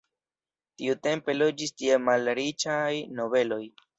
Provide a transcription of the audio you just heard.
Tiutempe loĝis tie malriĉaj nobeloj.